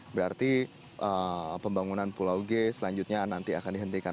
berarti pembangunan pulau g selanjutnya nanti akan dihentikan